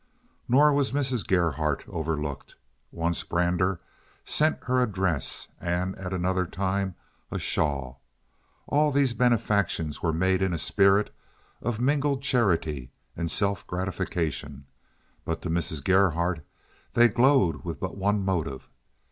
Nor was Mrs. Gerhardt overlooked. Once Brander sent her a dress, and at another time a shawl. All these benefactions were made in a spirit of mingled charity and self gratification, but to Mrs. Gerhardt they glowed with but one motive.